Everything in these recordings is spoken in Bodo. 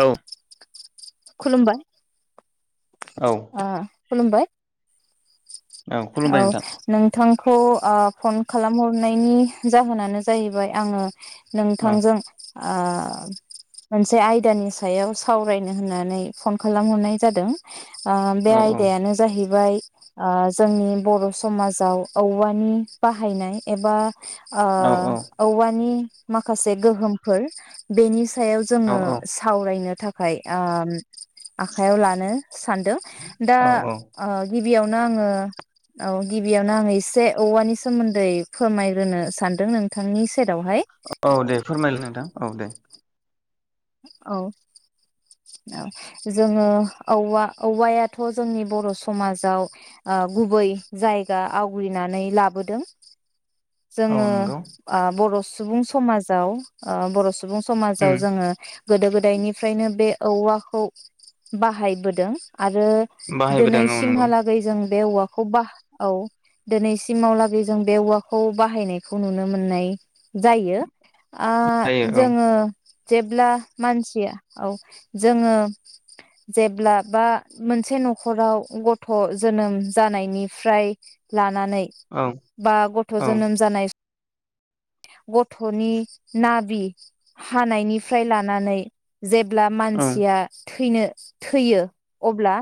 औ खुलुमबाय औ आ खुलुमबाय औ खुलुमबाय नोंथां नोंथां खौ ओ फन खालामहरनायनि जाहोनानो जाहैबाय आङो औ नोंथांजों ओ मोनसे आयदानि सायाव सावराय होननानै फन खालामहरनाय जादों ओ बे औ औ आयदायानो जाहैबाय ओ जोंनि बर' समाजाव औवानि बाहायनाय एबा ओ औ औ औवानि माखासे गोहोमफोर बेनिस सायाव जोङो औ सावरायनो था खाय ओ आखाइयाव लानो सानदों दा औ औ ओ गिबियावनो आङो औ गिबियावनो आङो एसे औवानि सोमोन्दै फोरमायग्रोनो सानदों नोंथांनि सेरावहाय औ दे फोरमायलाय नोंथां औ दे औ औ जोङो औवा औवायाथ' जोंनि बर' समाजाव ओ गुबै जायगा आवग्रिनानै लाबोदों। औ जोङो नंगौ ओ बर' सुबुं समाजाव ओ बर' सुबुं समाजाव उम जोङो गोदो गोदायनिफ्रायनो बे औवाखौ बाहायबोदों। आरो बाहायबोदों दोनै औ नंगौ सिमहालागै जों बे औवाखौ बाह औ दिनैसिमावलागै जों बे औवाखौ बाहायनायखौ नुनो मोननाय जायो। आ जायो औ जोङो जे जेब्ला मानसिया औ जोङो जेब्ला बा मोनसे नखराव गथ' जोनोम जानायनिफ्राय ला लानानै औ बा गथ' औ जोनोम जानाय गथ'नि नाबि हानायनि फ्राय लानानै जेब्ला औ मानसिया थैनो थैयो अब्ला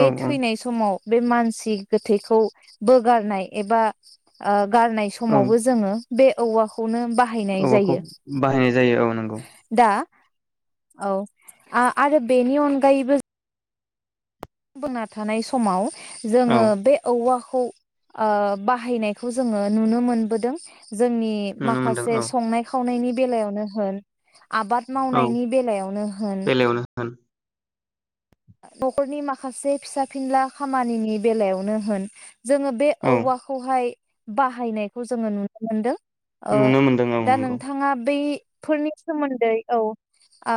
औ औ थैनाय समाव बे मानसि गोथैखौ बोगारनाय एबा ओ गारनाय औ समावबो जोङो बे औवाखौनो बाहायनाय औवाखौ जायो बाहायनाय जायो औ नंगौ। दा औ आरो बेनि अनगायैबो बुंना थानाय समाव औ जोङो बे औवा खौ बाहायनायखौ जोङो नुनो मोनबोदों। जोंनि नुनो मोनदों माखासे औ संनाय खावनायनि बेलायावनो होन आबाद औ मावनायनि बेलायावनो होन बेलायावनो होन न'खरनि माखासे फिसा फिनला खामानिनि बेलायावनो होन जोङो बे औ औवाखौहाय बाहायनायखौ जोङो नुनो मोनदों। ओ नुनो मोनदों औ दा नंगौ नोंथाङा बै फोरनि सोमोन्दै औ आ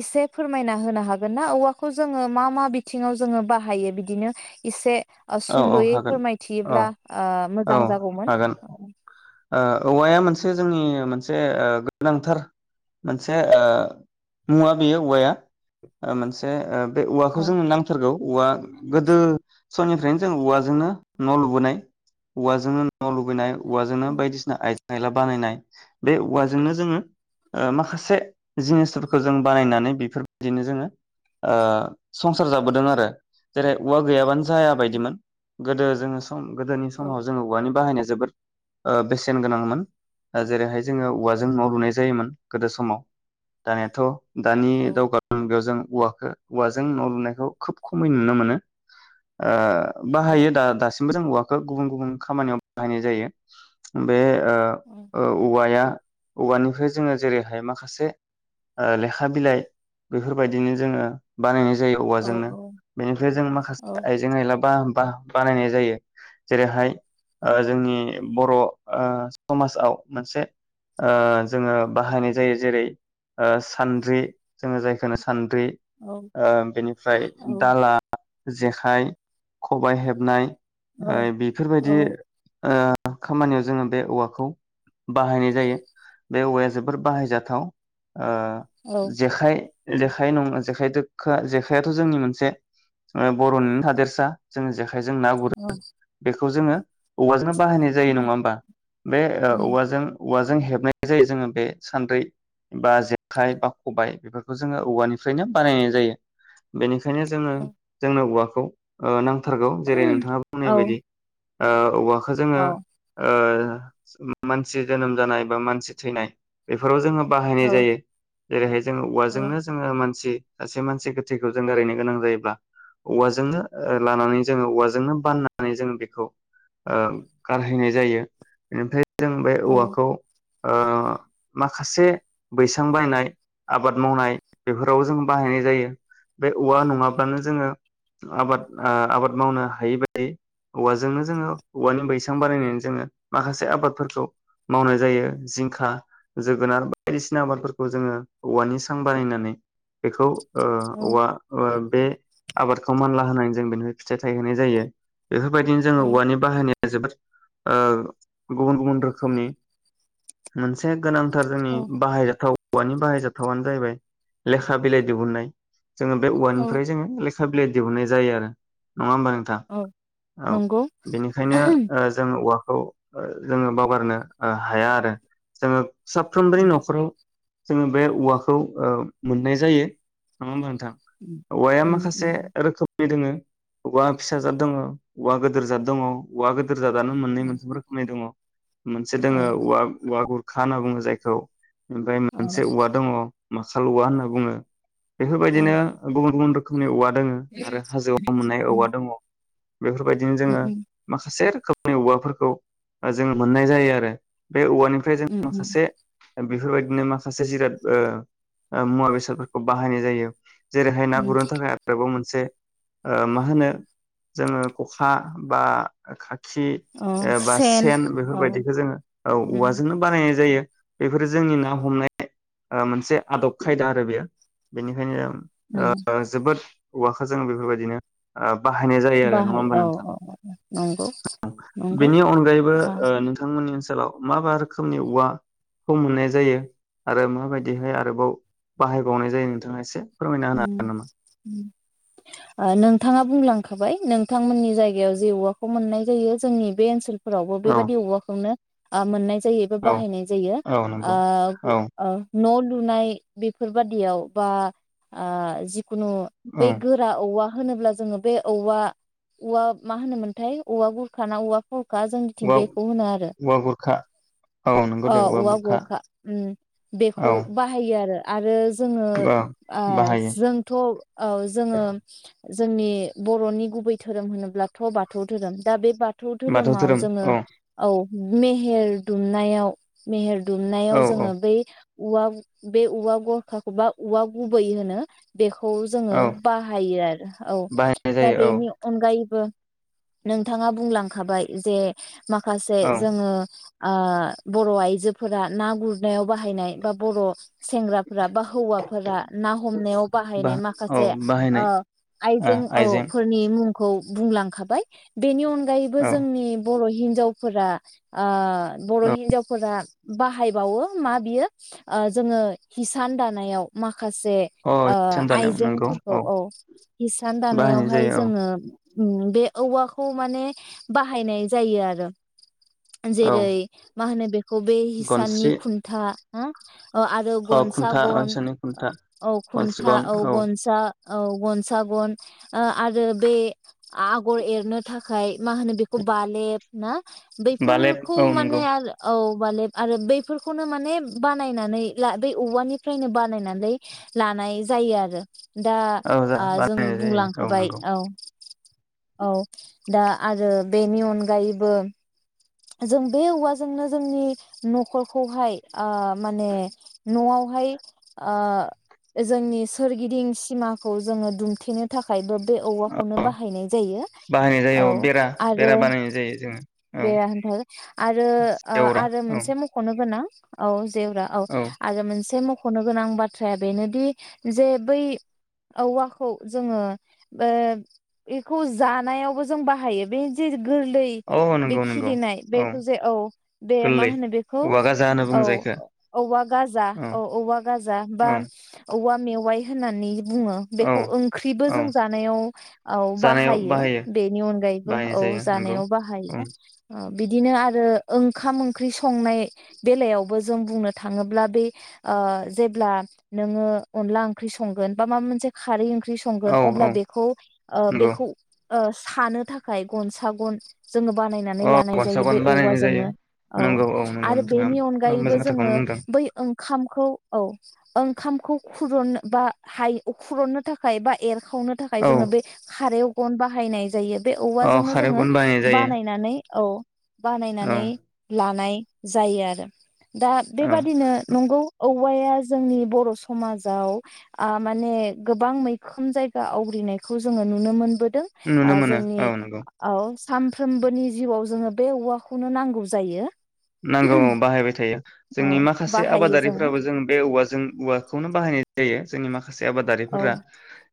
एसे फोरमायना होनो हागोन ना औवा खौ जोङो मा मा बिथिङाव जोङो बाहायो बिदिनो इसे औ औ सुंदयै हागोन औ फोरमायथियोब्ला औ मोजां जागौमोन। हागोन औवाया मोनसे जोंनि मोनसे गोनांथार मोनसे मुवा बेयो औवाया मोनसे ओ बे औ औवाखौ जोंङो नांथारगौ। औवा गोदो निफ्रायनो जों औवाजोंनो न' लुबोनाय औवाजोंनो न' लुबोनाय औवाजोंनो औ बायदिसिना आइजें आयला बानायनाय बे औवाजोंनो जोङो माखासे जिनिसफोरखौ जों बानायनानै बेफोरबायदिनो जोङो ओ संसार जाबोदों आरो जेरै औवा गैयाबानो जाया बायदिमोन गोदो जोङो सम सम गोदोनि औ समाव जोङो औवानि बाहायनाय जोबोद बेसेन गोनांमोन जेरैहाय जोङो औवाजों नआव लुनाय जायोमोन गोदो समाव दानियाथ दानि दावगा नांगौव जों औवाखौ औवाजों न लुनायखौ खोब खमै नुनो मोनो ओ औ बाहायो दा-दासिमबो जों औवा खो गुबुन गुबुन खामानियाव बाहायनाय जायो बे ओ ओ-औवाया औवानिफ्राय जोङो जेरैहाय माखासे लेखा बिलाइ बेफोरबायदिनो जोङो बानायनाय जायो औ औवाजोंनो बेनिफ्राय जों औ माखासे आइजें आइलाबा बा बा-बानायनाय जायो जेरै हाय जोंनि बर समाजाव मोनसे ओ जोङो बाहायनाय जायो जेरै सानद्रि जायखौ जों बुङो सान द्रि औ ओ बेनिफ्राय दाला जे जेखाइ खबाय हेबनाय औ ओय बेफोरबायदि ओ खामानियाव जोङो बे औवाखौ बाहायनाय जायो बे औवाया जोबोर बाहायजाथाव। ओ औ जेखाइ जेखाय नङा जेखायदो जेखायाथ जोंनि मोनसे ओ बरनिनो थादेरसा जोङो जेखा जेखाइजों ना गुरो बेखौ बेखौ जोंङो औवाजों बाहायनाय जायो नङा होमबा बे औ ओ-औवाजों औवाजों हेबनाय जायो जोङो बे सान्द्रै बा जेखाइ बा खबबाय बेफोरखौ जोङो औवानिफ्रायनो बानायनाय जायो बेनिखाय खायनो औ जोंनो औवाखौ ओ नां थारगौ जेरै नोंथांङा बुंनाय बायदि ओ औवा खो जोंङो ओ मानसि जोनोम जानाय बा मानसि थैनाय बेफोराव जोंङो बाहायनाय जायो जेरैहाय जोंङो उवाजोंनो जोंङो मानसि सासे मानसि गोथैखौ जों गारैनो गोनां जायोब्ला। औवाजोंनो लानानै जोंङो औवाजोंनो बाननानै जों बेखौ ओ गारहैनाय जायो इनिफाय। जों बे औवाखौ। ओ माखासे बैसां बानानाय आबाद मावनाय बेफोराव जों बाहायनाय जायो बे औवा नङाब्लानो। जोंङो आबाद आ आबाद मावनो हायै बायदि औवाजोंनो जोंङो औवानि बैसां बानायनानै जोंङो माखासे आबादफोरखौ मावनाय जायो जिंखा जोगोनार बायदिसिना आबादफोरखौ जोंङो औवानि सां बानायनानै बेखौ। ओ औ औवा ओ बे। आबादखौ मानला होनानै जों बेनिफ्राय फिथाइ थायहोनाय जायो। बेफोरबायदिनो जोंङो औवानि बाहायनाय। जोबोद ओ गुबुन गुबुन रोखोमनि मोनसे गोनां थार जोंनि औ बाहायजाथाव। औवानि बाहायजाथावानो जाहैबाय लेखा बिलाइ दिहुननाय। जोंङो बे औ उवानिफ्राय जोंङो ले खा बिलाय दिहुननाय जायो आरो। नङा होमबा नोंथां औ औ नंगौ बेनिखायनो औ ओ जोंङो औवा खौ जोंङो बावगारनो हाया आरो जोंङो। साफ्रोमबोनि न'खराव। जोंङो बे उवाखौ ओ‌ मोननाय जायो नङा होमबा। थां औवाआ मा से रोखोम नि दोङो उवा फिसा जाद दङ उवा गोदोर जाथ दङ उवा गो दोर जादानो मोननै मोनथाम रोखोमनि दङ। मोनसे दोङो औ उवा‌ उवा गुर खा होनना बुङो जायखौ। ओमफाय औ मोनसे उवा दङ। मासाल उवा होनना बुङो। बेफोरबायदिनो गुबुन गुबुन रोख [unintelligible] दङ आरो हाजोआव मोननाय औवा दङ। बेफोरबायदिनो जोङो माखासे। रखमोनि औवाफोरखौ ओ जोङो मोननाय जायो आरो। बे औवानिफ्राय जों सासे बेफोरबायदिनो माखासे जिराद ओ-ओ मुवा बेसादफोरखौ बाहायनाय जायो। जेरैहाय ना गुरनो बेबो मोनसे ओ मा होनो जोङो खखा बा खा खि एबा सेन औ बेफोरबायदिखौ जोङो औ औवाजोंनो बानायनाय जायो बेफोरो जोंनि ना हमनाय ओ मोनसे आदब खायदा आरो बेयो बेनिखायनो जों ओं जोबोद औवाखो जों बेफोरबायदिनो ओ बाहायनाय जायो आरो नङा बाहाय होनबा औ नोंथां औ नंगौ ओं नंगौ बेनि अनगायैबो ओ नोंथांमोननि ओ सोलाव मा मा रोखोमनि औवाखौ मोननाय जायो आरो माबायदिहाय आरोबाव बाहायबावनाय जायो नोंथाङा एसे फोरमाय उम ओ नोंथाङा बुंलांखाबाय नोंथांमोननि जायगायाव जे औवाखौ मोननाय जायो जोंनि बे ओनसोल फोरावबो औ बेबायदि औवाखौनो आ मोननाय जा जायो बा बाहायनाय जायो औ औ नंगौ ओ औ ओ न लुनाय बेफोरबादियाव बा आ जि खुनु औ बे गोरा औवा होनोब्ला जोङो बे औवा औवा मा होनोमोनथाय औवा गुरखा ना औवा हखा जोंनिथिं औवा बेखौ होनो आरो औवा बुरखा औ नंगौ अ दे औवा बुरखा गवखा बेखौ औ बाहायो आरो आरो जोङो औ ओ बाहायो जोंथ औ जोङो जोंनि बरनि गुबै धोरोम होनोब्लाथ बाथौ धोरोम दा बे बाथौ बाथौ धोरोमाव धोरोम जोङो औ औ मेहेर दुमनायाव मेहेर दुमनायाव औ औ जोङो बै औवा बे औवा गरखाखौ बा औवा गुबै होनो बेखौ खौ जोङो औ बाहायो आरो औ बाहायनाय दा जायो बेनि औ अनगायैबो बो नोंथाङा बुंलांखाबाय जे माखासे औ जोङो ओ बर आइजोफोरा ना गुरनायाव बाहायनाय बा बर सेंग्राफोरा बा हौवाफोर ना हमनायाव बा बाहायनाय औ माखासे बाहायनाय ओ आइजें औ फोरनि मुं खौ बुंलांखाबाय बेनि अन अनगायैबो औ जोंनि बर हि हिन्जावफोरा ओ बर' औ हिन्जावफोरा बाहायबावो मा बियो ओ जोङो हिसान दानायाव मा खासे अ ओ हिसान दानायाव नंगौ आइजेंफोरखौ औ हिसान बाहायनाय दानायावहाय जायो औ जोङो उम बे औवाखौ माने बाहायनाय जायो आरो औ जेरै मा होनो बबे हिसाननि गनस्रि खुन्था हा आरो अ खुन्था गनसागन इसोरनि खुन्था औ खुन्था औ गनसा औ गन सागन ओ आरो बे आगर एरनो थाखाय मा होनो बेखौ बालेब ना बालेब बेैफोरखौ औ नंगौ माने आर औ बालेब आरो बैफोरखौनो माने बानायनानै ला दै औवानिफ्रायनो बा नायनानै लानाय जायो आरो दा औ जा आ जों बानायनाय जायो बुंलांखाबाय नंगौ औ औ दा आरो बेनि अनगायैबो जों बे औवाजोंनो जोंनि न'खरखौहाय ओ माने न'आवहाय आ जोंनि सोरगिदिं सिमाखौ जोङो दुमथेनो थाखायबो बे औवाखौनो औ बाहायनाय जायो बाहायनाय जायो औ बेरा आरो बेरा बानायनाय जायो जोङो औ बे आरो ओ जेवरा आरो औ मोनसे मखनो गोनां औ जेवरा औ आरो मोनसे म खनो गोनां बाथ्राया बेनोदि जे बै औवाखौ जोङो ओ बेखौ जानायावबो जों बाहायो बे जे गोरलै औ बे नंगौ नंगौ खिलिनाय बेखौ जे औ बे मा गोरलै होनो बेखौ औवा गाजा होनो औ बुङो जायखो औवा गाजा औ औवा गाजा बा औ औवा मेवाइ होनानै बुङो। औ बेखौ ओंख्रिबो औ जों जानायाव औ बाहायो बेनि अनगायैबो बाहायनाय औ जायो नंगौ जानायाव औ बाहायो। ओ बिदिनो आरो ओंखाम-ओंख्रि संनाय बेलायावबो जों बुंनो थाङोब्ला बे ओ जेब्ला नोङो अनला ओंख्रि संगोन बा माबा मोनसे खारै ओं ओंख्रि संगोन औ अब्ला औ बेखौ ओ नंगौ बेखौ ओ सानो थाखाय गनसा गन जोङो बानायनानै अ लानाय गनसा गन [unintelligible] बानायनाय जायो औवाजोंनो औ नंगौ नंगौ आरो नोंथाङा बेनि अनगायैबो मोजां जोङो खोथाखौनो बुंदों बै ओंखामखौ औ ओंखाम ओंखामखौ खुरनो बा हाय अ खुरननो थाखाय बा एर खावनो थाखाय औ जोङो बे खारायाव गन बाहायनाय जायो। बे औ औवाजोंनो खारेव जोङो गन बानायनाय जायो बानायनानै औ औ बानायनानै लानाय जायो आरो दा औ बेबादिनो नंगौ औ औवाया जोंनि बर समाजाव आ माने गोबां मैखोम जायगा आवग्रिनायखौ जोङो नुनो मोनबो दों नुनो ओ मोनो औ जोंनि नंगौ आव सामफ्रोमबोनि जिउआव जोङो बे औवाखौनो नांगौ जायो। नांगौ बाहायबाय थायो औ जोंनि माखासे बाहायो जोङो आबादारिफोराबो जों बे औवाजों औवाखौनो बाहायनाय जायो। जोंनि माख खासे औ आबादारिफोरा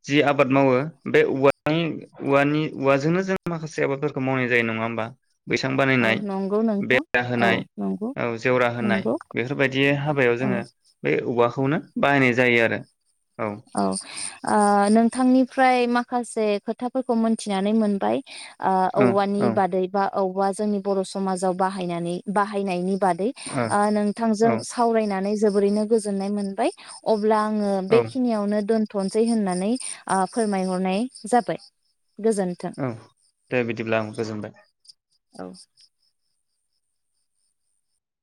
जि आबाद मावो बे औवानि औवानि औवाजोंनो जों माखासे आबादफोरखौ मावनाय जायो नङा ओमबा? बैसां औ बानायनाय नंगौ नोंथां बेरा औ होनाय। नंगौ औ जेवरा होनाय नंगौ बेफोरबायदि हाबायाव औ जोङो बै औ औवाखौनो बाहायनाय जायो आरो औ ओ नोंथांनिफ्राय माख खासे खोथाफोरखौ मोनथिनानै मोनबाय। ओ औ औवानि औ बादै बा औवा जोंनि बर समाजाव बाहायनानै बाहायनायनि बादै औ ओ नोंथांजों औ सावरायनानै जोबोरैनो गोजोननाय मोनबाय अब ब्ला आङो औ बेख नो दोन्थसै होननानै ओ फोरमायहरनाय जाबाय। गोजोन्थों औ दे बिदिब्ला आंबो गोजोनबाय। औ